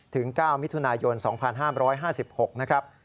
๙มิถุนายน๒๕๕๖นะครับ